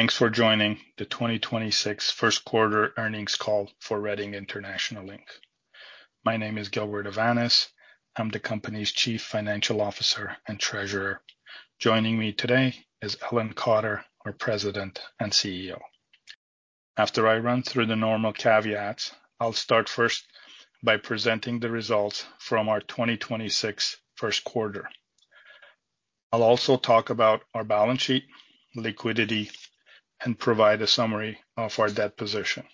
Thanks for joining the 2026 first quarter earnings call for Reading International Inc. My name is Gilbert Avanes. I'm the company's Chief Financial Officer and Treasurer. Joining me today is Ellen Cotter, our President and CEO. After I run through the normal caveats, I'll start first by presenting the results from our 2026 first quarter. I'll also talk about our balance sheet, liquidity, and provide a summary of our debt position.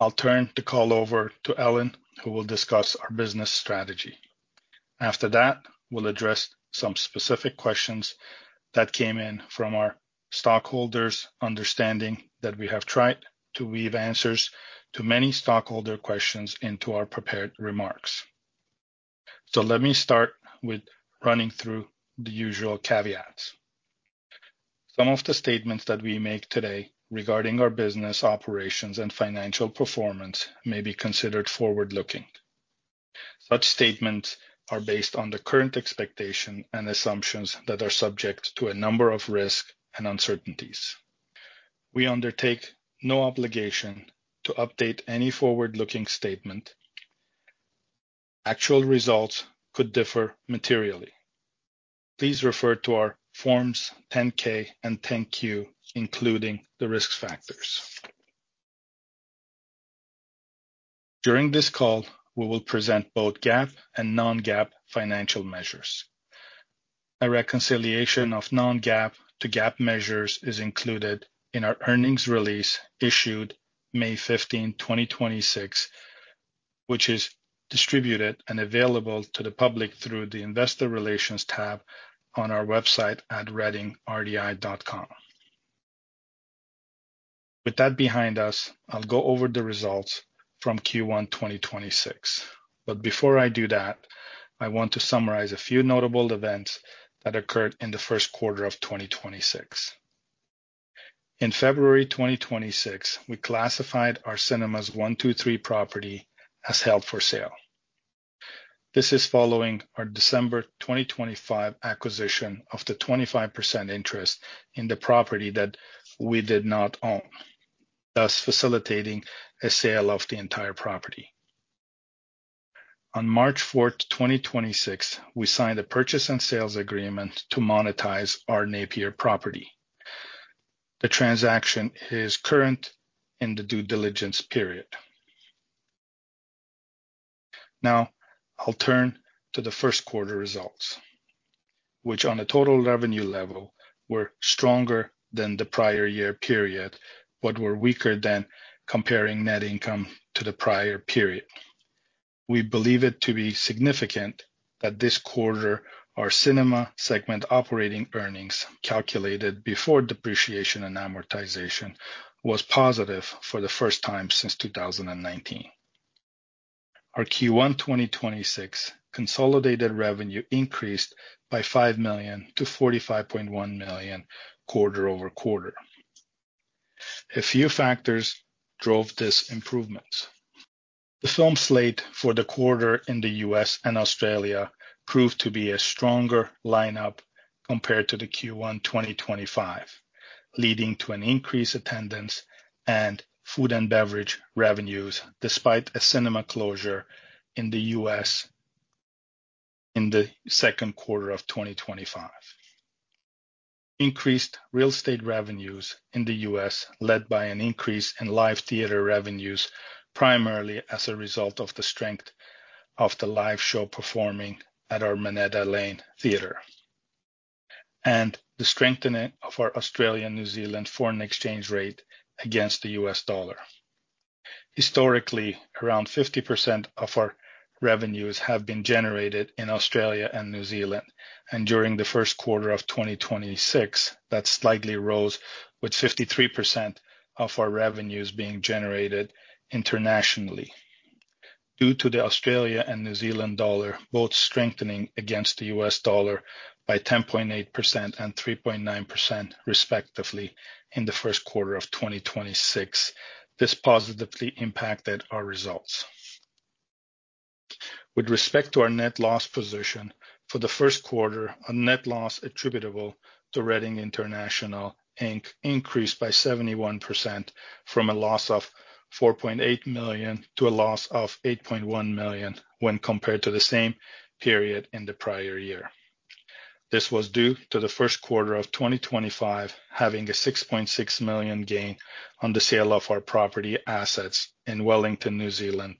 I'll turn the call over to Ellen, who will discuss our business strategy. After that, we'll address some specific questions that came in from our stockholders, understanding that we have tried to weave answers to many stockholder questions into our prepared remarks. Let me start with running through the usual caveats. Some of the statements that we make today regarding our business operations and financial performance may be considered forward-looking. Such statements are based on the current expectation and assumptions that are subject to a number of risks and uncertainties. We undertake no obligation to update any forward-looking statement. Actual results could differ materially. Please refer to our Forms 10-K and 10-Q, including the risk factors. During this call, we will present both GAAP and non-GAAP financial measures. A reconciliation of non-GAAP to GAAP measures is included in our earnings release issued May 15, 2026, which is distributed and available to the public through the Investor Relations tab on our website at readingrdi.com. With that behind us, I'll go over the results from Q1 2026. Before I do that, I want to summarize a few notable events that occurred in the first quarter of 2026. In February 2026, we classified our Cinemas 1,2, and 3 property as held for sale. This is following our December 2025 acquisition of the 25% interest in the property that we did not own, thus facilitating a sale of the entire property. On March 4th, 2026, we signed a purchase and sales agreement to monetize our Napier property. The transaction is current in the due diligence period. I'll turn to the first quarter results, which on a total revenue level were stronger than the prior-year period but were weaker than comparing net income to the prior period. We believe it to be significant that this quarter our cinema segment operating earnings calculated before depreciation and amortization was positive for the first time since 2019. Our Q1 2026 consolidated revenue increased by $5 million-$45.1 million quarter-over-quarter. A few factors drove these improvements. The film slate for the quarter in the U.S. and Australia proved to be a stronger lineup compared to the Q1 2025, leading to an increase in attendance and food and beverage revenues despite a cinema closure in the U.S. in the second quarter of 2025. Increased real estate revenues in the U.S. led by an increase in live theater revenues, primarily as a result of the strength of the live show performing at our Minetta Lane Theatre and the strengthening of our Australian/New Zealand foreign exchange rate against the U.S. dollar. Historically, around 50% of our revenues have been generated in Australia and New Zealand, and during the first quarter of 2026, that slightly rose, with 53% of our revenues being generated internationally. Due to the Australia and New Zealand dollar both strengthening against the U.S. dollar by 10.8% and 3.9% respectively in the first quarter of 2026, this positively impacted our results. With respect to our net loss position, for the first quarter, a net loss attributable to Reading International Inc. increased by 71% from a loss of $4.8 million to a loss of $8.1 million when compared to the same period in the prior year. This was due to the first quarter of 2025 having a $6.6 million gain on the sale of our property assets in Wellington, New Zealand,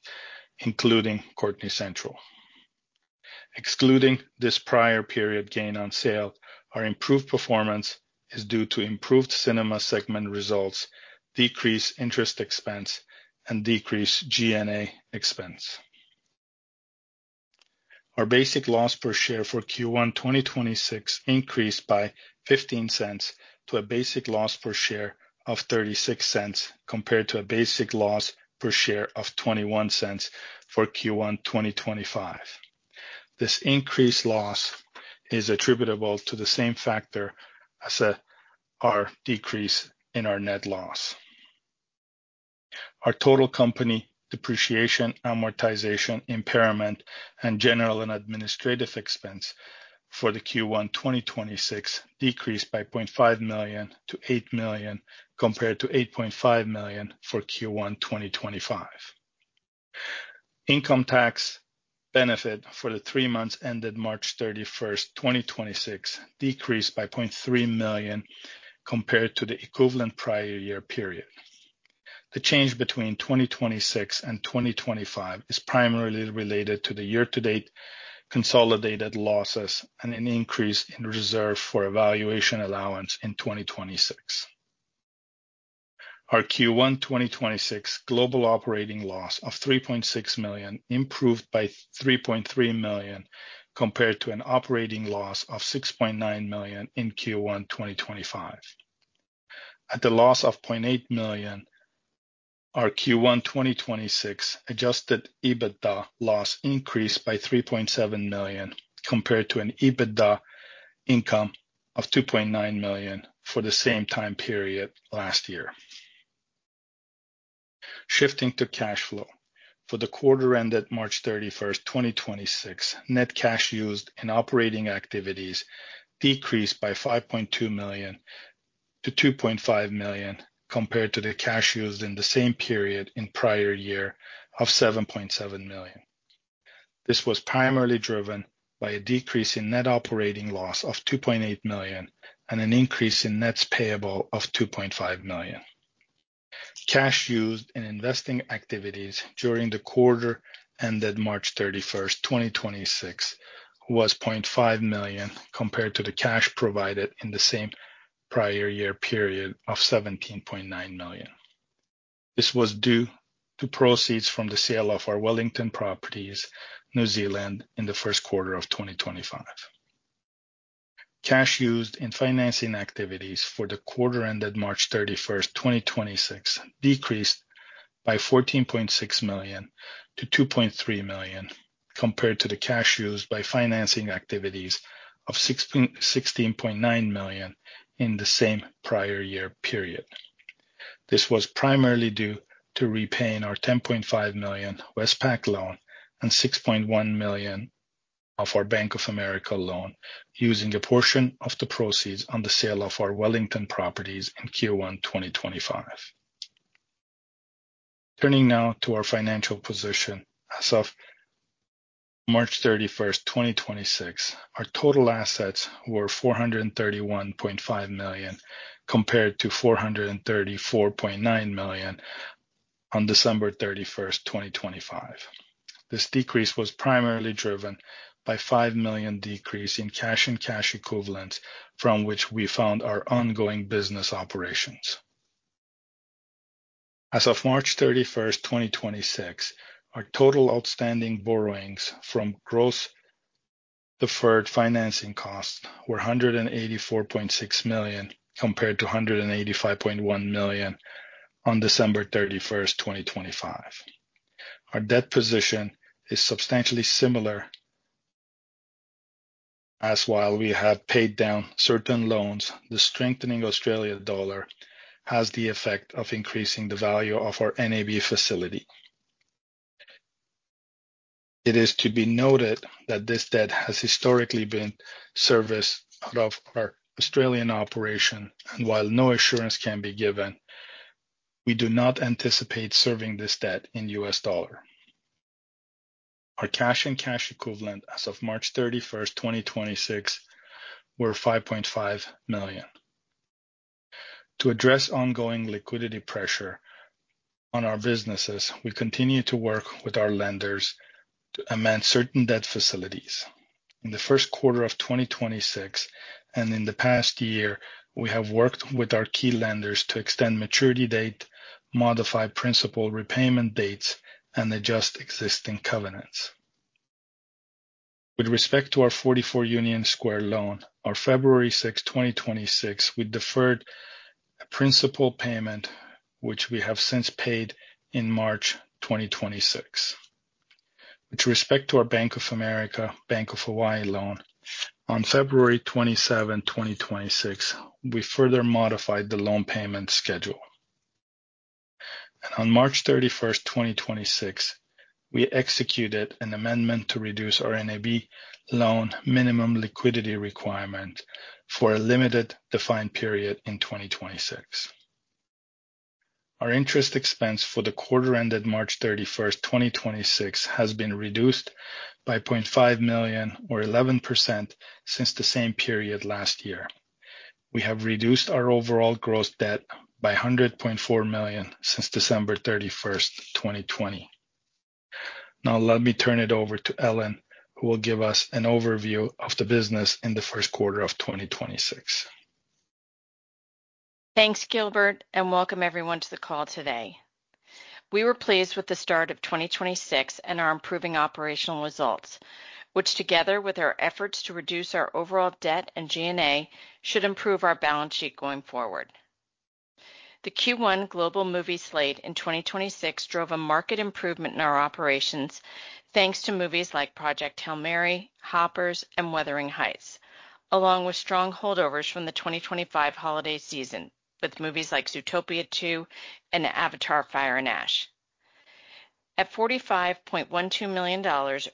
including Courtenay Central. Excluding this prior period gain on sale, our improved performance is due to improved cinema segment results, decreased interest expense, and decreased G&A expense. Our basic loss per share for Q1 2026 increased by $0.15 to a basic loss per share of $0.36 compared to a basic loss per share of $0.21 for Q1 2025. This increased loss is attributable to the same factor as our decrease in our net loss. Our total company depreciation, amortization, impairment, and general and administrative expense for the Q1 2026 decreased by $0.5 million to $8 million compared to $8.5 million for Q1 2025. Income tax benefit for the three months ended March 31, 2026 decreased by $0.3 million compared to the equivalent prior year period. The change between 2026 and 2025 is primarily related to the year-to-date consolidated losses and an increase in reserve for valuation allowance in 2026. Our Q1 2026 global operating loss of $3.6 million improved by $3.3 million compared to an operating loss of $6.9 million in Q1 2025. At the loss of $0.8 million, our Q1 2026 adjusted EBITDA loss increased by $3.7 million compared to an EBITDA income of $2.9 million for the same time period last year. Shifting to cash flow, for the quarter ended March 31, 2026, net cash used in operating activities decreased by $5.2 million to $2.5 million compared to the cash used in the same period in prior year of $7.7 million. This was primarily driven by a decrease in net operating loss of $2.8 million and an increase in net payables of $2.5 million. Cash used in investing activities during the quarter ended March 31, 2026 was $0.5 million compared to the cash provided in the same prior year period of $17.9 million. This was due to proceeds from the sale of our Wellington properties, New Zealand, in the first quarter of 2025. Cash used in financing activities for the quarter ended March 31, 2026 decreased by $14.6 million to $2.3 million compared to the cash used by financing activities of $16.9 million in the same prior year period. This was primarily due to repaying our $10.5 million Westpac loan and $6.1 million of our Bank of America loan using a portion of the proceeds on the sale of our Wellington properties in Q1 2025. Turning now to our financial position as of March 31, 2026, our total assets were $431.5 million compared to $434.9 million on December 31, 2025. This decrease was primarily driven by a $5 million decrease in cash and cash equivalents from which we found our ongoing business operations. As of March 31, 2026, our total outstanding borrowings from gross deferred financing costs were $184.6 million compared to $185.1 million on December 31, 2025. Our debt position is substantially similar as while we have paid down certain loans, the strengthening Australian dollar has the effect of increasing the value of our NAB facility. It is to be noted that this debt has historically been serviced out of our Australian operation, and while no assurance can be given, we do not anticipate servicing this debt in U.S. dollar. Our cash and cash equivalent as of March 31, 2026 were $5.5 million. To address ongoing liquidity pressure on our businesses, we continue to work with our lenders to amend certain debt facilities. In the first quarter of 2026 and in the past year, we have worked with our key lenders to extend maturity date, modify principal repayment dates, and adjust existing covenants. With respect to our 44 Union Square loan, on February 6, 2026, we deferred a principal payment which we have since paid in March 2026. With respect to our Bank of America/Bank of Hawaii loan, on February 27, 2026, we further modified the loan payment schedule. On March 31, 2026, we executed an amendment to reduce our NAB loan minimum liquidity requirement for a limited defined period in 2026. Our interest expense for the quarter ended March 31, 2026 has been reduced by $0.5 million or 11% since the same period last year. We have reduced our overall gross debt by $100.4 million since December 31, 2020. Let me turn it over to Ellen, who will give us an overview of the business in the first quarter of 2026. Thanks, Gilbert. Welcome everyone to the call today. We were pleased with the start of 2026 and our improving operational results, which together with our efforts to reduce our overall debt and G&A should improve our balance sheet going forward. The Q1 global movie slate in 2026 drove a market improvement in our operations thanks to movies like Project Hail Mary, Hoppers, and Wuthering Heights, along with strong holdovers from the 2025 holiday season with movies like Zootopia 2 and Avatar: Fire and Ash. At $45.12 million,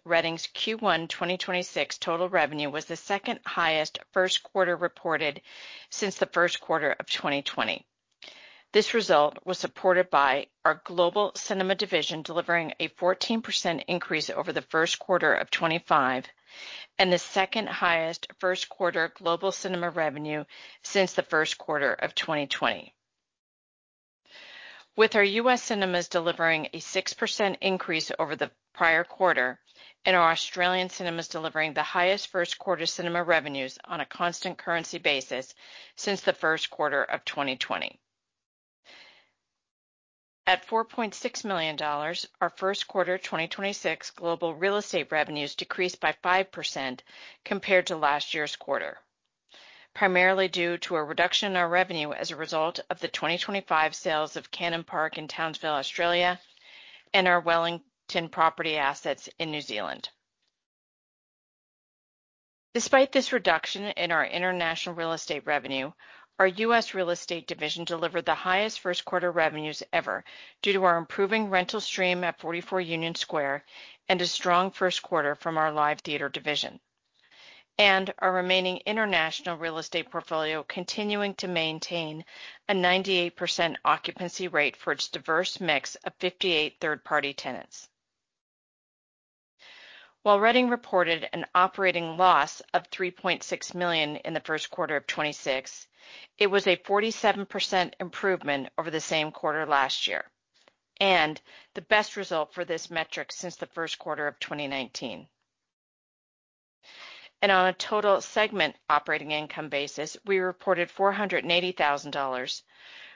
Reading's Q1 2026 total revenue was the second highest first quarter reported since the first quarter of 2020. This result was supported by our global cinema division delivering a 14% increase over the first quarter of 2025 and the second highest first quarter global cinema revenue since the first quarter of 2020. With our U.S. cinemas delivering a 6% increase over the prior quarter and our Australian cinemas delivering the highest first quarter cinema revenues on a constant currency basis since the first quarter of 2020. At $4.6 million, our first quarter 2026 global real estate revenues decreased by 5% compared to last year's quarter, primarily due to a reduction in our revenue as a result of the 2025 sales of Cannon Park in Townsville, Australia, and our Wellington property assets in New Zealand. Despite this reduction in our international real estate revenue, our U.S. real estate division delivered the highest first-quarter revenues ever due to our improving rental stream at 44 Union Square and a strong first quarter from our live theatre division, and our remaining international real estate portfolio continuing to maintain a 98% occupancy rate for its diverse mix of 58 third-party tenants. While Reading reported an operating loss of $3.6 million in the first quarter of 2026, it was a 47% improvement over the same quarter last year and the best result for this metric since the first quarter of 2019. On a total segment operating income basis, we reported $480,000,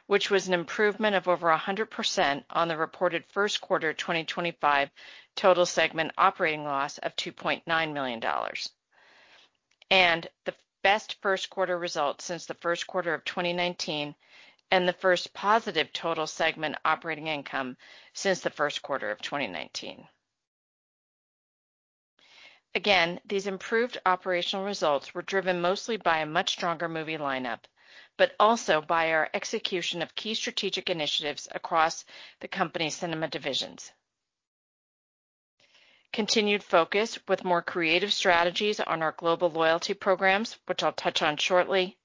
which was an improvement of over 100% on the reported first quarter 2025 total segment operating loss of $2.9 million. The best first quarter result since the first quarter of 2019 and the first positive total segment operating income since the first quarter of 2019. These improved operational results were driven mostly by a much stronger movie lineup but also by our execution of key strategic initiatives across the company's cinema divisions. Continued focus with more creative strategies on our global loyalty programs, which I'll touch on shortly.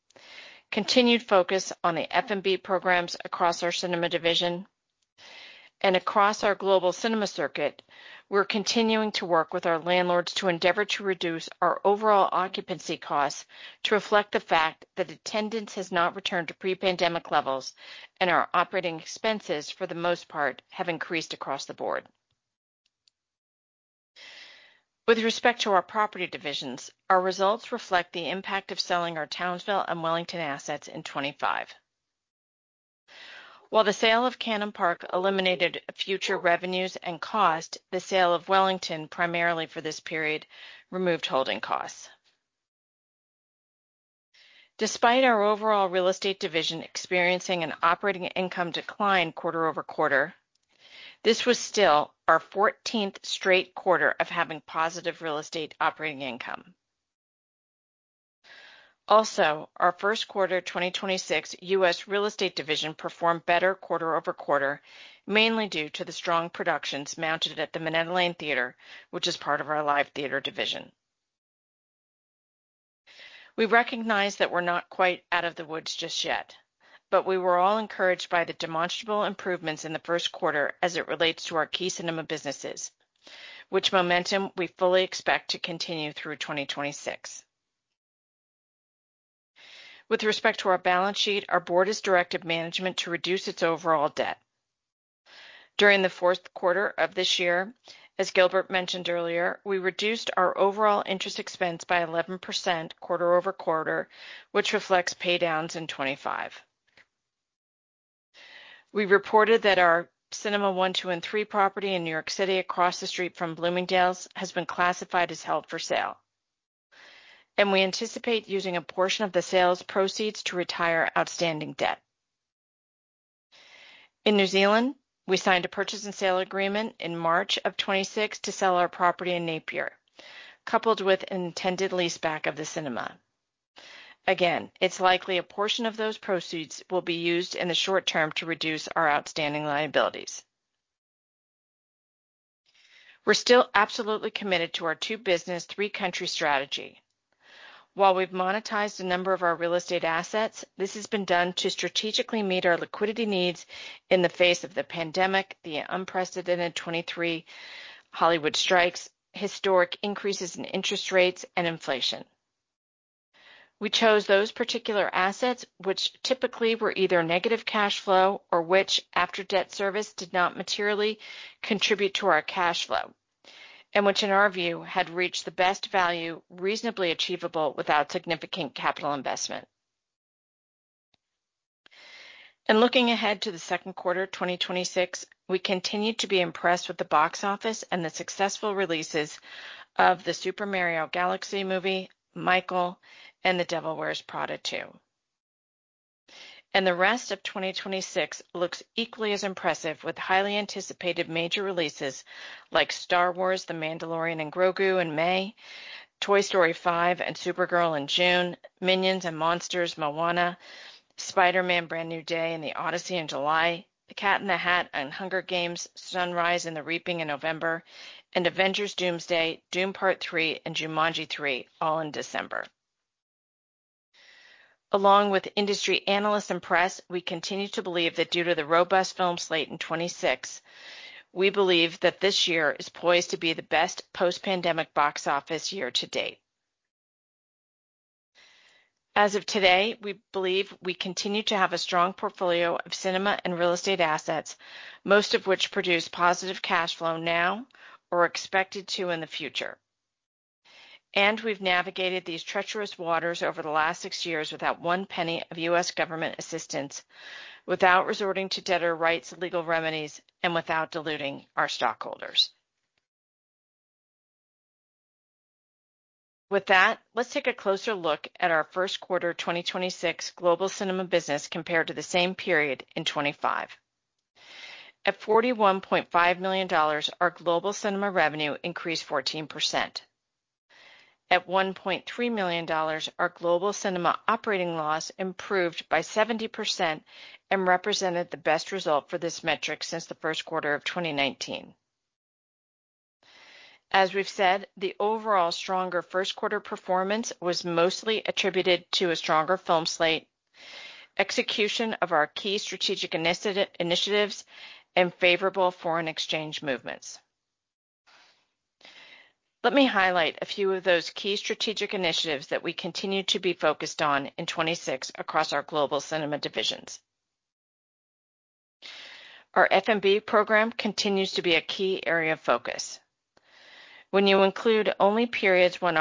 Continued focus on the F&B programs across our cinema division. Across our global cinema circuit, we're continuing to work with our landlords to endeavor to reduce our overall occupancy costs to reflect the fact that attendance has not returned to pre-pandemic levels and our operating expenses, for the most part, have increased across the board. With respect to our property divisions, our results reflect the impact of selling our Townsville and Wellington assets in 2025. While the sale of Cannon Park eliminated future revenues and costs, the sale of Wellington, primarily for this period, removed holding costs. Despite our overall real estate division experiencing an operating income decline quarter-over-quarter, this was still our 14th straight quarter of having positive real estate operating income. Also, our first quarter 2026 U.S. real estate division performed better quarter-over-quarter, mainly due to the strong productions mounted at the Minetta Lane Theatre, which is part of our live theater division. We recognize that we're not quite out of the woods just yet, but we were all encouraged by the demonstrable improvements in the first quarter as it relates to our key cinema businesses, which momentum we fully expect to continue through 2026. With respect to our balance sheet, our board has directed management to reduce its overall debt. During the fourth quarter of this year, as Gilbert mentioned earlier, we reduced our overall interest expense by 11% quarter-over-quarter, which reflects paydowns in 2025. We reported that our Cinema 1, 2, and 3 property in New York City across the street from Bloomingdale's has been classified as held for sale. We anticipate using a portion of the sales proceeds to retire outstanding debt. In New Zealand, we signed a purchase and sale agreement in March of 2026 to sell our property in Napier, coupled with an intended leaseback of the cinema. Again, it's likely a portion of those proceeds will be used in the short term to reduce our outstanding liabilities. We're still absolutely committed to our two-business, three-country strategy. While we've monetized a number of our real estate assets, this has been done to strategically meet our liquidity needs in the face of the pandemic, the unprecedented 2023 Hollywood strikes, historic increases in interest rates, and inflation. We chose those particular assets, which typically were either negative cash flow or which, after debt service, did not materially contribute to our cash flow, and which, in our view, had reached the best value reasonably achievable without significant capital investment. Looking ahead to the second quarter 2026, we continue to be impressed with The Boxoffice and the successful releases of The Super Mario Galaxy Movie, Michael, and The Devil Wears Prada 2. The rest of 2026 looks equally as impressive with highly anticipated major releases like Star Wars: The Mandalorian & Grogu in May, Toy Story 5 and Supergirl: Woman of Tomorrow in June, Minions & Monsters: Moana, Spider-Man: Brand New Day and The Odyssey in July, The Cat in the Hat and The Hunger Games: Sunrise on the Reaping in November, and Avengers: Doomsday: Doom Part 3 and Jumanji 3, all in December. Along with industry analysts and press, we continue to believe that due to the robust film slate in 2026, this year is poised to be the best post-pandemic Boxoffice year to date. As of today, we believe we continue to have a strong portfolio of cinema and real estate assets, most of which produce positive cash flow now or are expected to in the future. We've navigated these treacherous waters over the last six years without one penny of U.S. government assistance, without resorting to debtor rights legal remedies, and without diluting our stockholders. With that, let's take a closer look at our first quarter 2026 global cinema business compared to the same period in 2025. At $41.5 million, our global cinema revenue increased 14%. At $1.3 million, our global cinema operating loss improved by 70% and represented the best result for this metric since the first quarter of 2019. As we've said, the overall stronger first quarter performance was mostly attributed to a stronger film slate, execution of our key strategic initiatives, and favorable foreign exchange movements. Let me highlight a few of those key strategic initiatives that we continue to be focused on in 2026 across our global cinema divisions. Our F&B program continues to be a key area of focus. When you include only periods when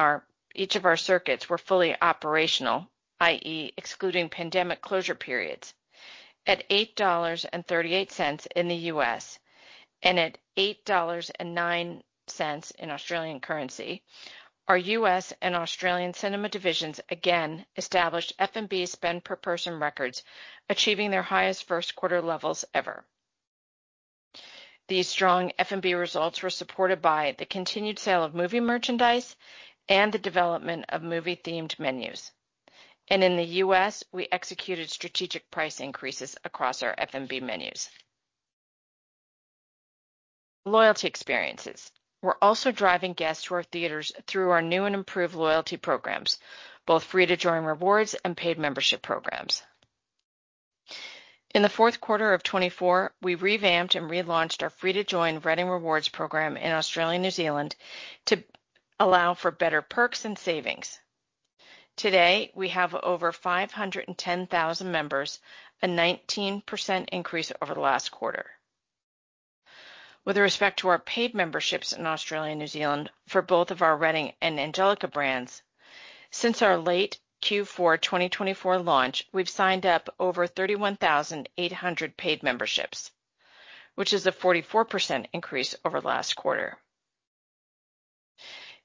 each of our circuits were fully operational, i.e., excluding pandemic closure periods, at $8.38 in the U.S. and at 8.09 dollars in Australian currency, our U.S. and Australian cinema divisions again established F&B spend per person records, achieving their highest first quarter levels ever. These strong F&B results were supported by the continued sale of movie merchandise and the development of movie-themed menus. In the U.S., we executed strategic price increases across our F&B menus. Loyalty experiences. We're also driving guests to our theaters through our new and improved loyalty programs, both free-to-join rewards and paid membership programs. In the fourth quarter of 2024, we revamped and relaunched our free-to-join Reading Rewards program in Australia and New Zealand to allow for better perks and savings. Today, we have over 510,000 members, a 19% increase over the last quarter. With respect to our paid memberships in Australia and New Zealand for both of our Reading and Angelika brands, since our late Q4 2024 launch, we've signed up over 31,800 paid memberships, which is a 44% increase over the last quarter.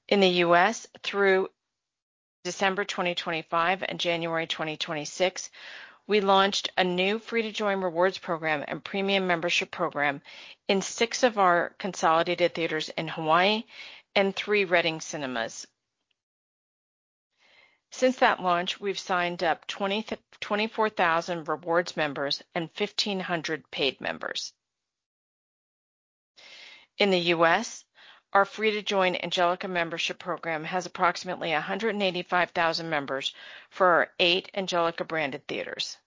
In the U.S., through December 2025 and January 2026, we launched a new free-to-join rewards program and premium membership program in six of our consolidated theaters in Hawaii and three Reading Cinemas. Since that launch, we've signed up 24,000 rewards members and 1,500 paid members. In the U.S., our free-to-join Angelika membership program has approximately 185,000 members for our eight Angelika-branded theaters.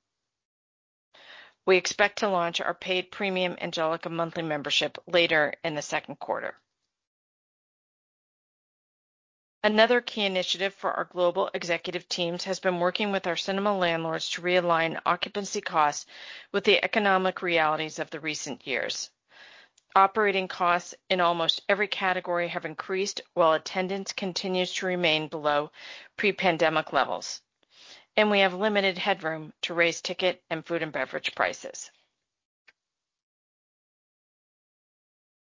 We expect to launch our paid premium Angelika monthly membership later in the second quarter. Another key initiative for our global executive teams has been working with our cinema landlords to realign occupancy costs with the economic realities of the recent years. Operating costs in almost every category have increased while attendance continues to remain below pre-pandemic levels. We have limited headroom to raise ticket and food and beverage prices.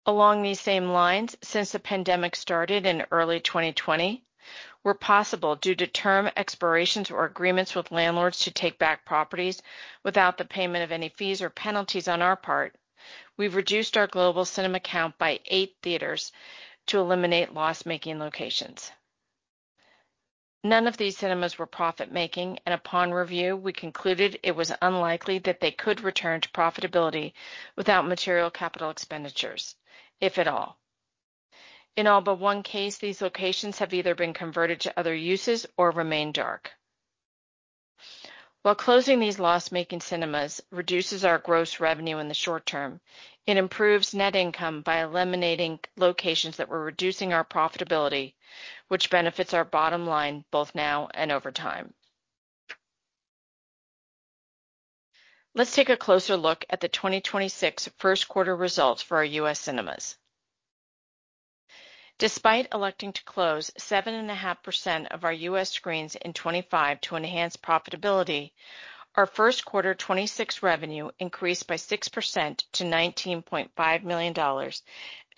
Along these same lines, since the pandemic started in early 2020, where possible due to term expirations or agreements with landlords to take back properties without the payment of any fees or penalties on our part, we've reduced our global cinema count by eight theaters to eliminate loss-making locations. None of these cinemas were profit-making, and upon review, we concluded it was unlikely that they could return to profitability without material capital expenditures, if at all. In all but one case, these locations have either been converted to other uses or remained dark. While closing these loss-making cinemas reduces our gross revenue in the short term, it improves net income by eliminating locations that were reducing our profitability, which benefits our bottom line both now and over time. Let's take a closer look at the 2026 first quarter results for our U.S. cinemas. Despite electing to close 7.5% of our U.S. screens in 2025 to enhance profitability, our first quarter 2026 revenue increased by 6% to $19.5 million,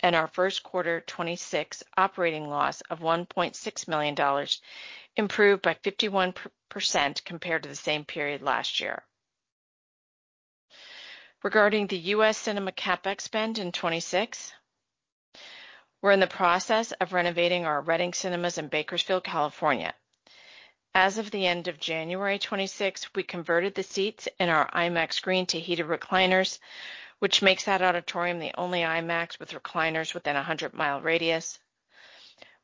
and our first quarter 2026 operating loss of $1.6 million improved by 51% compared to the same period last year. Regarding the U.S. cinema capex spend in 2026, we're in the process of renovating our Reading Cinemas in Bakersfield, California. As of the end of January 2026, we converted the seats in our IMAX screen to heated recliners, which makes that auditorium the only IMAX with recliners within a 100-mile radius.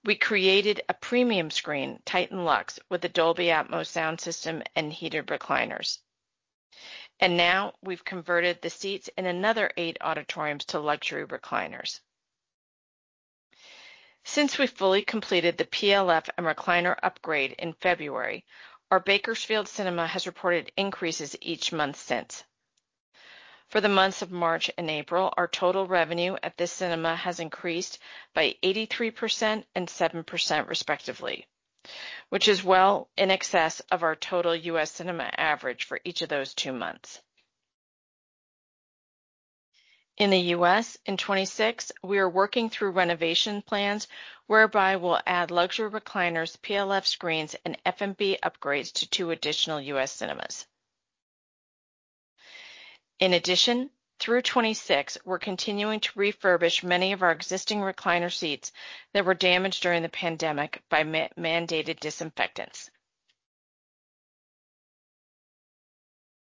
We created a premium screen, Titan Luxe, with a Dolby Atmos sound system and heated recliners. Now we've converted the seats in another eight auditoriums to luxury recliners. Since we fully completed the PLF and recliner upgrade in February, our Bakersfield cinema has reported increases each month since. For the months of March and April, our total revenue at this cinema has increased by 83% and 7% respectively, which is well in excess of our total U.S. cinema average for each of those two months. In the U.S., in 2026, we are working through renovation plans whereby we'll add luxury recliners, PLF screens, and F&B upgrades to two additional U.S. cinemas. In addition, through 2026, we're continuing to refurbish many of our existing recliner seats that were damaged during the pandemic by mandated disinfectants.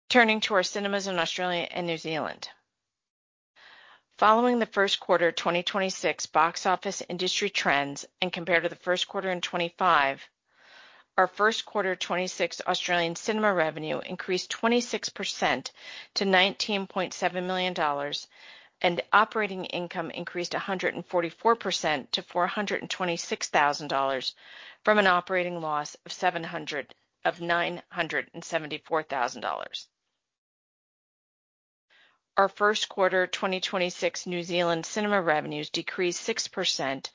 Turning to our cinemas in Australia and New Zealand. Following the first quarter 2026 box office industry trends and compared to the first quarter in 2025, our first quarter 2026 Australian cinema revenue increased 26% to $19.7 million, and operating income increased 144% to $426,000 from an operating loss of $974,000. Our first quarter 2026 New Zealand cinema revenues decreased 6%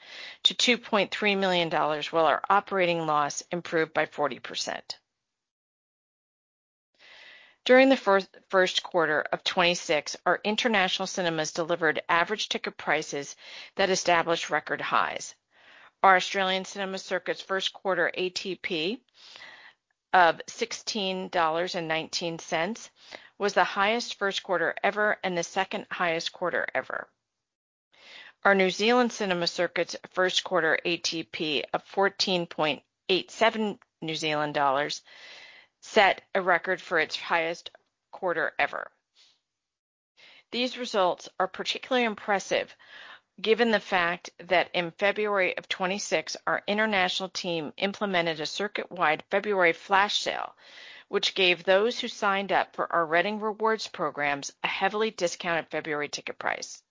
to $2.3 million, while our operating loss improved by 40%. During the first quarter of 2026, our international cinemas delivered average ticket prices that established record highs. Our Australian cinema circuit's first quarter ATP of $16.19 was the highest first quarter ever and the second highest quarter ever. Our New Zealand cinema circuit's first quarter ATP of 14.87 New Zealand dollars set a record for its highest quarter ever. These results are particularly impressive given the fact that in February of 2026, our international team implemented a circuit-wide February flash sale, which gave those who signed up for our Reading Rewards programs a heavily discounted February ticket price.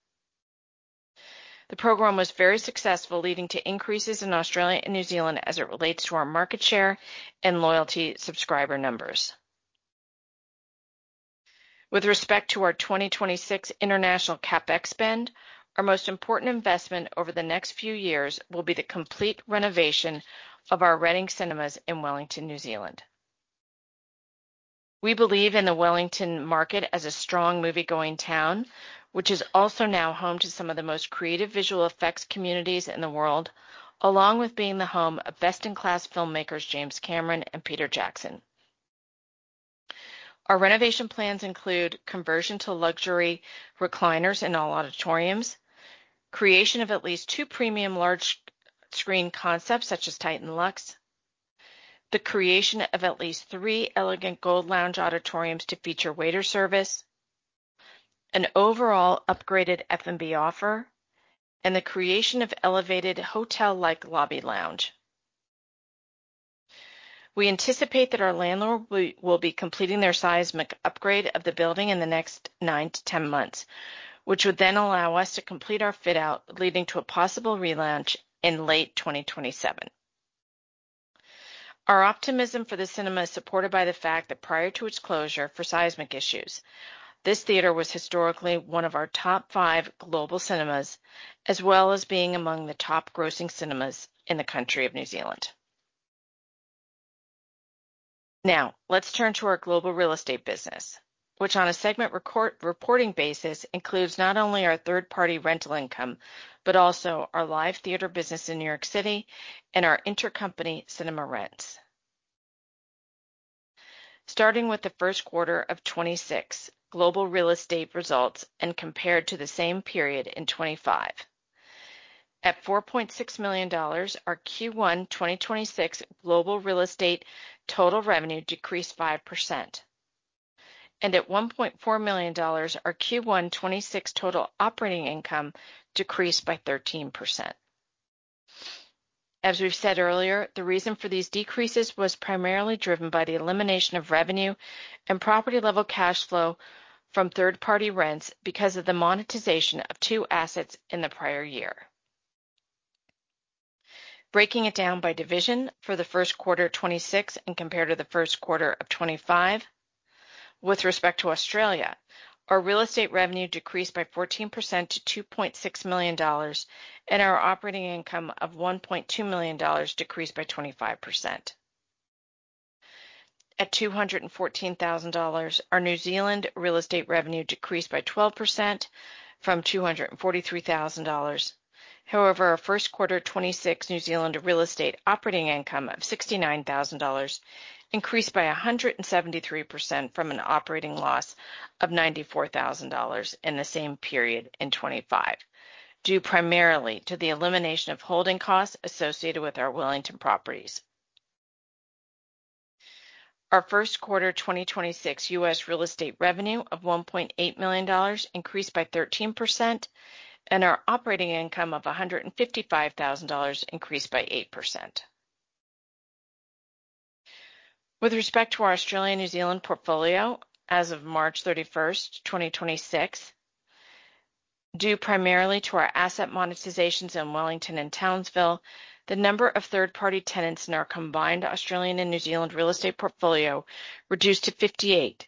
The program was very successful, leading to increases in Australia and New Zealand as it relates to our market share and loyalty subscriber numbers. With respect to our 2026 international capex spend, our most important investment over the next few years will be the complete renovation of our Reading Cinemas in Wellington, New Zealand. We believe in the Wellington market as a strong movie-going town, which is also now home to some of the most creative visual effects communities in the world, along with being the home of best-in-class filmmakers James Cameron and Peter Jackson. Our renovation plans include conversion to luxury recliners in all auditoriums, creation of at least two premium large screen concepts such as Titan Luxe, the creation of at least three elegant Gold Lounge auditoriums to feature waiter service, an overall upgraded F&B offer, and the creation of elevated hotel-like lobby lounge. We anticipate that our landlord will be completing their seismic upgrade of the building in the next 9-10 months, which would then allow us to complete our fit-out, leading to a possible relaunch in late 2027. Our optimism for the cinema is supported by the fact that prior to its closure, for seismic issues, this theater was historically one of our top five global cinemas, as well as being among the top-grossing cinemas in the country of New Zealand. Let's turn to our global real estate business, which on a segment reporting basis includes not only our third-party rental income, but also our live theater business in New York City and our intercompany cinema rents. Starting with the first quarter of 2026, global real estate results and compared to the same period in 2025. At $4.6 million, our Q1 2026 global real estate total revenue decreased 5%. At $1.4 million, our Q1 2026 total operating income decreased by 13%. As we've said earlier, the reason for these decreases was primarily driven by the elimination of revenue and property-level cash flow from third-party rents because of the monetization of two assets in the prior year. Breaking it down by division for the first quarter 2026 and compared to the first quarter of 2025, with respect to Australia, our real estate revenue decreased by 14% to $2.6 million, and our operating income of $1.2 million decreased by 25%. At $214,000, our New Zealand real estate revenue decreased by 12% from $243,000. However, our first quarter 2026 New Zealand real estate operating income of $69,000 increased by 173% from an operating loss of $94,000 in the same period in 2025, due primarily to the elimination of holding costs associated with our Wellington properties. Our first quarter 2026 U.S. real estate revenue of $1.8 million increased by 13%, and our operating income of $155,000 increased by 8%. With respect to our Australia and New Zealand portfolio as of March 31st, 2026, due primarily to our asset monetizations in Wellington and Townsville, the number of third-party tenants in our combined Australian and New Zealand real estate portfolio reduced to 58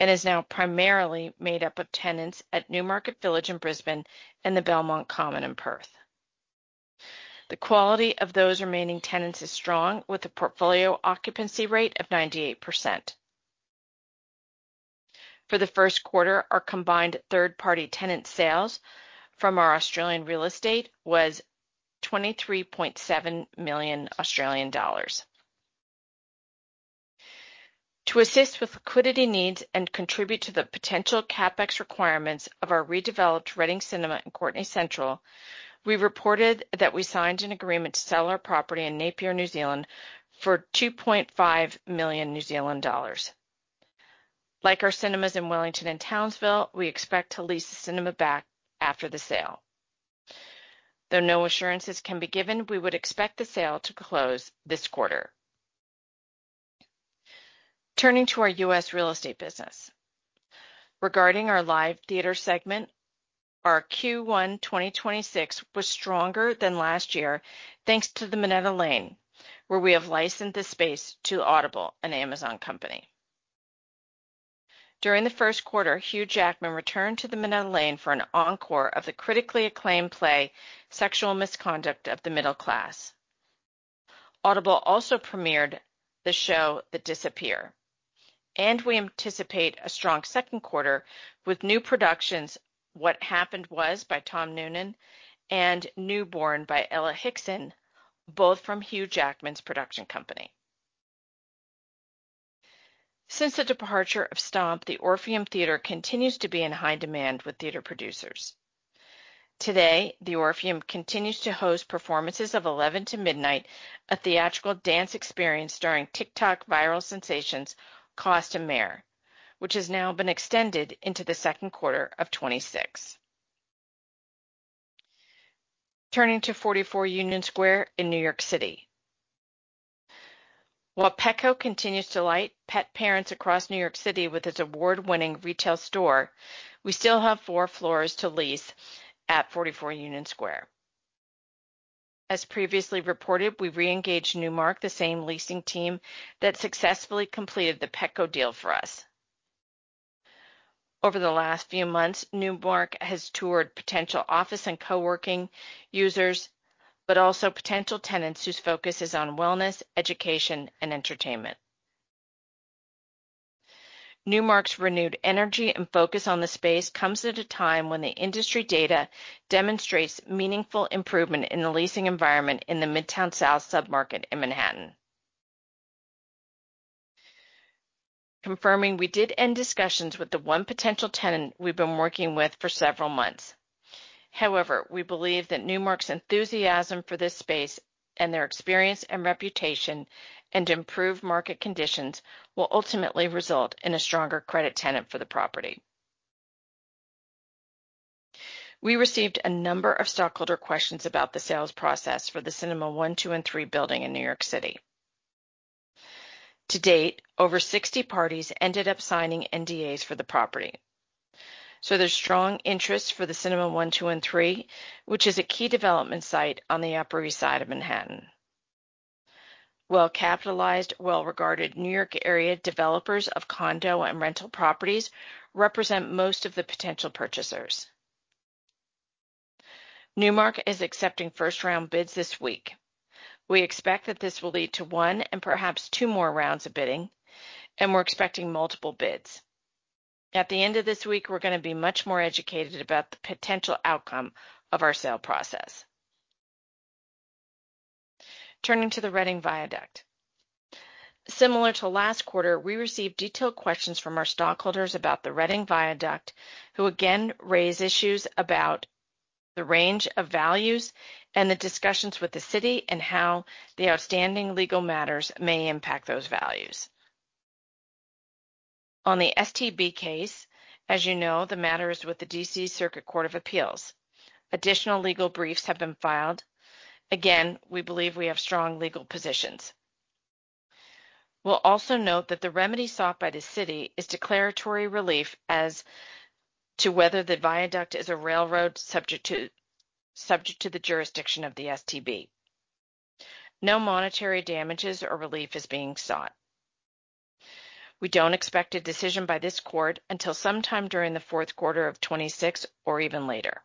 and is now primarily made up of tenants at Newmarket Village in Brisbane and the Belmont Common in Perth. The quality of those remaining tenants is strong, with a portfolio occupancy rate of 98%. For the first quarter, our combined third-party tenant sales from our Australian real estate was $23.7 million. To assist with liquidity needs and contribute to the potential capex requirements of our redeveloped Reading Cinemas in Courtney Central, we reported that we signed an agreement to sell our property in Napier, New Zealand, for 2.5 million New Zealand dollars. Like our cinemas in Wellington and Townsville, we expect to lease the cinema back after the sale. Though no assurances can be given, we would expect the sale to close this quarter. Turning to our U.S. real estate business. Regarding our live theater segment, our Q1 2026 was stronger than last year thanks to the Minetta Lane, where we have licensed the space to Audible, an Amazon company. During the first quarter, Hugh Jackman returned to the Minetta Lane for an encore of the critically acclaimed play Sexual Misconduct of the Middle Classes. Audible also premiered the show The Disappear. We anticipate a strong second quarter with new productions What Happened Was by Tom Noonan and New Born by Ella Hickson, both from Hugh Jackman's production company. Since the departure of Stomp, the Orpheum Theatre continues to be in high demand with theater producers. Today, the Orpheum continues to host performances of 11:00 to midnight, a theatrical dance experience during TikTok viral sensations Costumere, which has now been extended into the second quarter of 2026. Turning to 44 Union Square in New York City. While Petco continues to light pet parents across New York City with its award-winning retail store, we still have four floors to lease at 44 Union Square. As previously reported, we reengaged Newmark, the same leasing team that successfully completed the Petco deal for us. Over the last few months, Newmark has toured potential office and coworking users, also potential tenants whose focus is on wellness, education, and entertainment. Newmark's renewed energy and focus on the space comes at a time when the industry data demonstrates meaningful improvement in the leasing environment in the Midtown South submarket in Manhattan. Confirming, we did end discussions with the one potential tenant we've been working with for several months. However, we believe that Newmark's enthusiasm for this space and their experience and reputation and improved market conditions will ultimately result in a stronger credit tenant for the property. We received a number of stockholder questions about the sales process for the Cinema 1, 2, and 3 building in New York City. To date, over 60 parties ended up signing NDAs for the property. There's strong interest for the Cinema 1, 2, and 3, which is a key development site on the Upper East Side of Manhattan. Well-capitalized, well-regarded New York area developers of condo and rental properties represent most of the potential purchasers. Newmark is accepting first-round bids this week. We expect that this will lead to one and perhaps two more rounds of bidding, and we're expecting multiple bids. At the end of this week, we're going to be much more educated about the potential outcome of our sale process. Turning to the Reading Viaduct. Similar to last quarter, we received detailed questions from our stockholders about the Reading Viaduct, who again raised issues about the range of values and the discussions with the city and how the outstanding legal matters may impact those values. On the STB case, as you know, the matter is with the D.C. Circuit Court of Appeals. Additional legal briefs have been filed. Again, we believe we have strong legal positions. We'll also note that the remedy sought by the city is declaratory relief as to whether the viaduct is a railroad subject to the jurisdiction of the STB. No monetary damages or relief is being sought. We don't expect a decision by this court until sometime during the fourth quarter of 2026 or even later.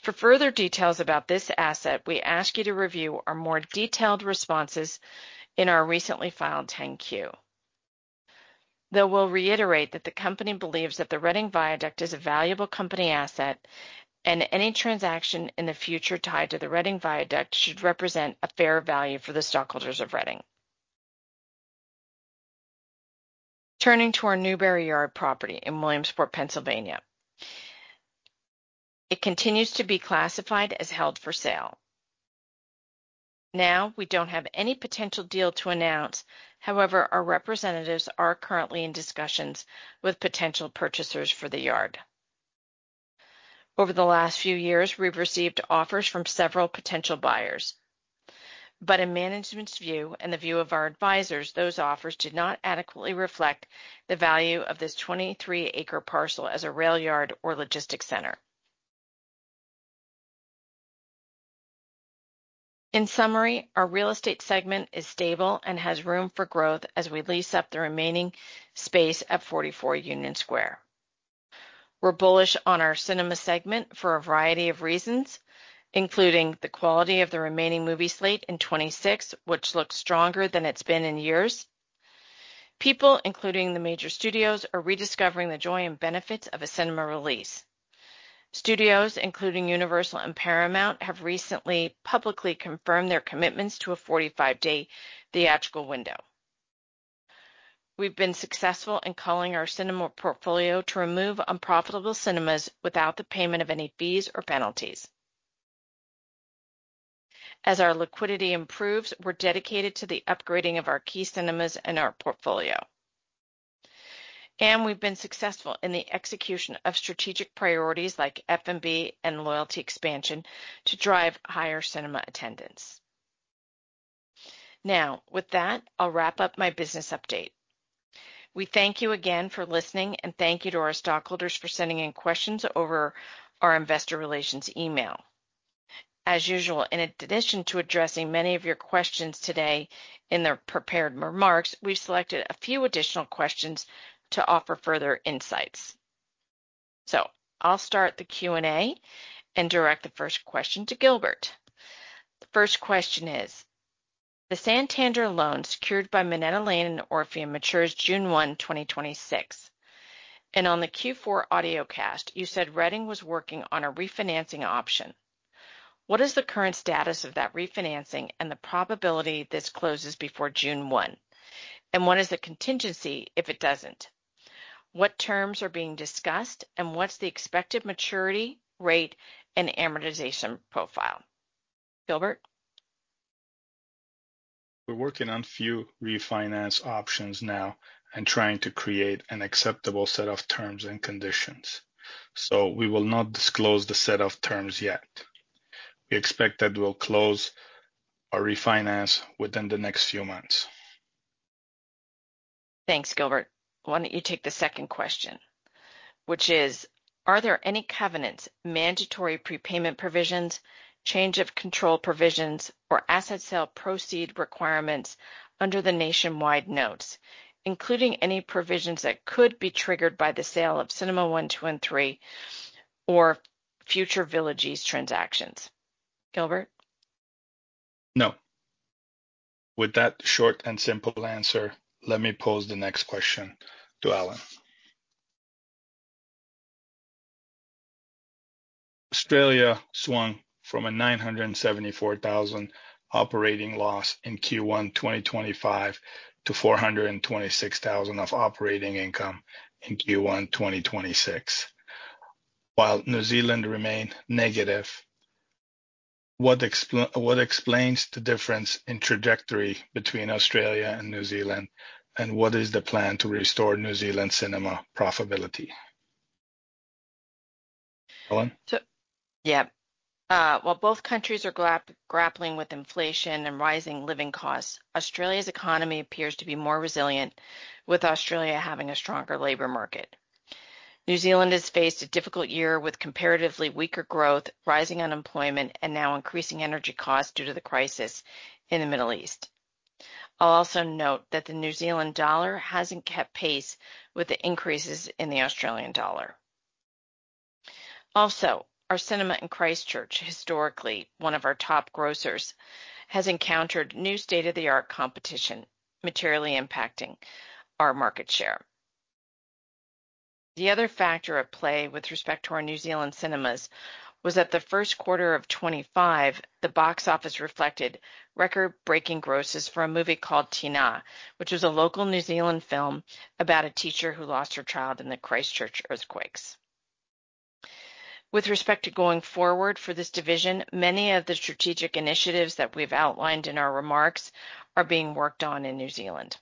For further details about this asset, we ask you to review our more detailed responses in our recently filed 10-Q. We'll reiterate that the company believes that the Reading Viaduct is a valuable company asset, and any transaction in the future tied to the Reading Viaduct should represent a fair value for the stockholders of Reading. Turning to our Newberry Yard property in Williamsport, Pennsylvania. It continues to be classified as held for sale. We don't have any potential deal to announce. Our representatives are currently in discussions with potential purchasers for the yard. Over the last few years, we've received offers from several potential buyers. In management's view and the view of our advisors, those offers did not adequately reflect the value of this 23-acre parcel as a rail yard or logistic center. In summary, our real estate segment is stable and has room for growth as we lease up the remaining space at 44 Union Square. We're bullish on our cinema segment for a variety of reasons, including the quality of the remaining movie slate in 2026, which looks stronger than it's been in years. People, including the major studios, are rediscovering the joy and benefits of a cinema release. Studios, including Universal and Paramount, have recently publicly confirmed their commitments to a 45-day theatrical window. We've been successful in calling our cinema portfolio to remove unprofitable cinemas without the payment of any fees or penalties. As our liquidity improves, we're dedicated to the upgrading of our key cinemas in our portfolio. We've been successful in the execution of strategic priorities like F&B and loyalty expansion to drive higher cinema attendance. With that, I'll wrap up my business update. We thank you again for listening, and thank you to our stockholders for sending in questions over our investor relations email. As usual, in addition to addressing many of your questions today in the prepared remarks, we've selected a few additional questions to offer further insights. I'll start the Q&A and direct the first question to Gilbert. The first question is, the Santander loan secured by Minetta Lane and Orpheum matures June 1, 2026. On the Q4 audiocast, you said Reading was working on a refinancing option. What is the current status of that refinancing and the probability this closes before June 1? What is the contingency if it doesn't? What terms are being discussed, and what's the expected maturity rate and amortization profile? Gilbert? We're working on a few refinance options now and trying to create an acceptable set of terms and conditions. We will not disclose the set of terms yet. We expect that we'll close our refinance within the next few months. Thanks, Gilbert. Why don't you take the second question, which is, are there any covenants, mandatory prepayment provisions, change of control provisions, or asset sale proceed requirements under the Nationwide Notes, including any provisions that could be triggered by the sale of Cinema 1, 2, and 3 or future Villages transactions? Gilbert? No. With that short and simple answer, let me pose the next question to Ellen. Australia swung from a $974,000 operating loss in Q1 2025 to $426,000 of operating income in Q1 2026. While New Zealand remained negative, what explains the difference in trajectory between Australia and New Zealand, and what is the plan to restore New Zealand cinema profitability? Ellen? Yeah. While both countries are grappling with inflation and rising living costs, Australia's economy appears to be more resilient, with Australia having a stronger labor market. New Zealand has faced a difficult year with comparatively weaker growth, rising unemployment, and now increasing energy costs due to the crisis in the Middle East. I'll also note that the New Zealand dollar hasn't kept pace with the increases in the Australian dollar. Also, our cinema in Christchurch, historically one of our top grossers, has encountered new state-of-the-art competition materially impacting our market share. The other factor at play with respect to our New Zealand cinemas was that the first quarter of 2025, The Boxoffice reflected record-breaking grosses for a movie called Tinā, which was a local New Zealand film about a teacher who lost her child in the Christchurch earthquakes. With respect to going forward for this division, many of the strategic initiatives that we've outlined in our remarks are being worked on in New Zealand.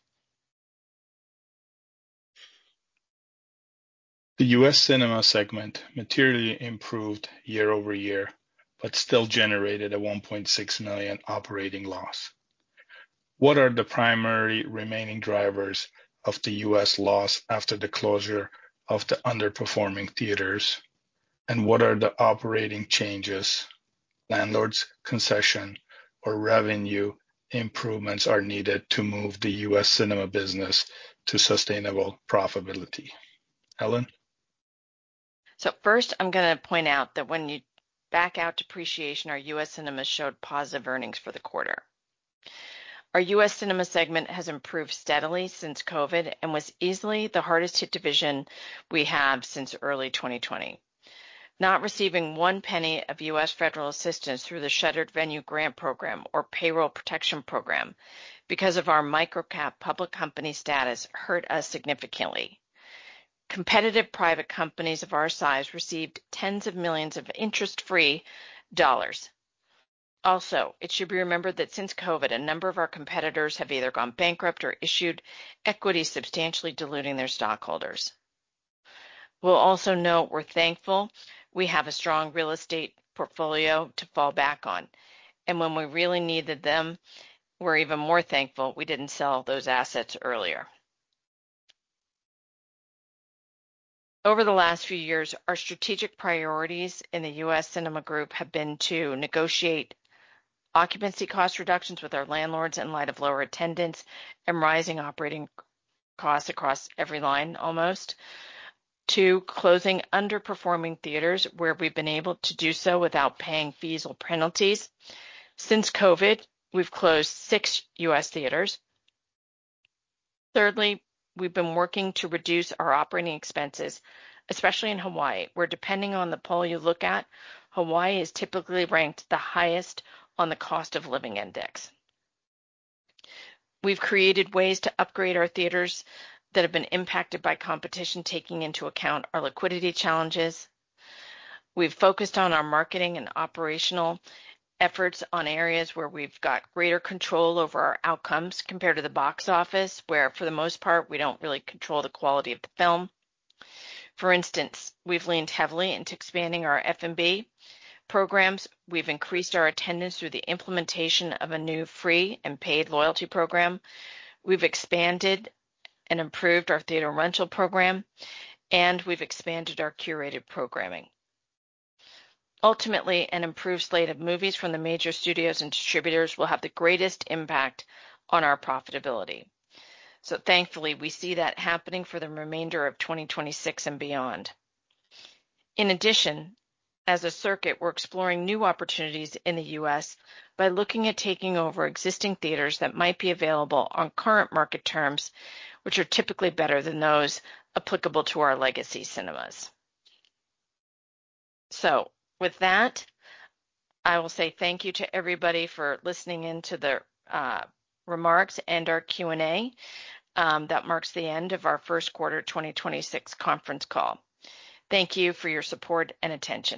The U.S. cinema segment materially improved year-over-year, but still generated a $1.6 million operating loss. What are the primary remaining drivers of the U.S. loss after the closure of the underperforming theaters, and what are the operating changes, landlords' concession, or revenue improvements that are needed to move the U.S. cinema business to sustainable profitability? Ellen? First, I'm going to point out that when you back out depreciation, our U.S. cinemas showed positive earnings for the quarter. Our U.S. cinema segment has improved steadily since COVID and was easily the hardest-hit division we have since early 2020. Not receiving one penny of U.S. federal assistance through the Shuttered Venue Operators Grant or Paycheck Protection Program because of our microcap public company status hurt us significantly. Competitive private companies of our size received tens of millions of interest-free dollars. It should be remembered that since COVID, a number of our competitors have either gone bankrupt or issued equity substantially diluting their stockholders. We'll also note we're thankful we have a strong real estate portfolio to fall back on. When we really needed them, we're even more thankful we didn't sell those assets earlier. Over the last few years, our strategic priorities in the U.S. cinema group have been to negotiate occupancy cost reductions with our landlords in light of lower attendance and rising operating costs across every line, almost. Two, closing underperforming theaters where we've been able to do so without paying fees or penalties. Since COVID, we've closed six U.S. theaters. Thirdly, we've been working to reduce our operating expenses, especially in Hawaii, where depending on the poll you look at, Hawaii is typically ranked the highest on the cost of living index. We've created ways to upgrade our theaters that have been impacted by competition taking into account our liquidity challenges. We've focused on our marketing and operational efforts on areas where we've got greater control over our outcomes compared to The Boxoffice, where for the most part, we don't really control the quality of the film. For instance, we've leaned heavily into expanding our F&B programs. We've increased our attendance through the implementation of a new free and paid loyalty program. We've expanded and improved our theater rental program, and we've expanded our curated programming. Ultimately, an improved slate of movies from the major studios and distributors will have the greatest impact on our profitability. Thankfully, we see that happening for the remainder of 2026 and beyond. In addition, as a circuit, we're exploring new opportunities in the U.S. by looking at taking over existing theaters that might be available on current market terms, which are typically better than those applicable to our legacy cinemas. With that, I will say thank you to everybody for listening into the remarks and our Q&A. That marks the end of our first quarter 2026 conference call. Thank you for your support and attention.